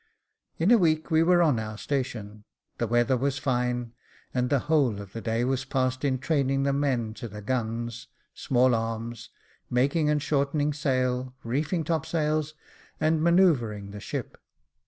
In a week we were on our station, the weather was fine, and the whole of the day was passed in training the men to the guns, small arms, making and shortening sail, reefing topsails, and manoeu vring the ship.